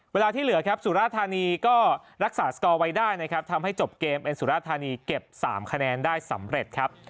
เวลาที่เหลือสุราธารณีก็รักษาสกอร์ไว้ได้ทำให้จบเกมเป็นสุราธารณีเก็บ๓คะแนนได้สำเร็จ